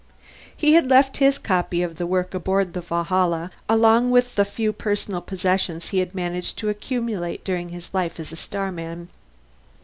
He had left his copy of the work aboard the Valhalla, along with the few personal possessions he had managed to accumulate during his life as a starman.